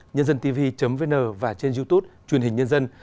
nhândantv vn và trên youtube truyền hình nhân dân